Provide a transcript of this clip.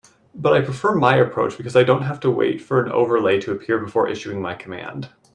But I prefer my approach because I don't have to wait for an overlay to appear before issuing my command.